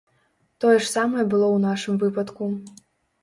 Тое ж самае было ў нашым выпадку.